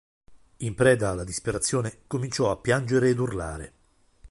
In preda alla disperazione cominciò a piangere ed urlare.